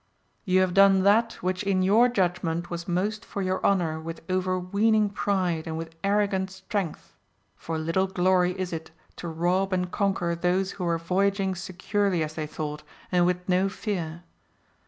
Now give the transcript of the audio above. Ye have done that which in your judgment was most for your honour with overweening pride and with arrogant strength, for little glory is it to rob and conquer those who were voyaging securely as they thought, and with no fear.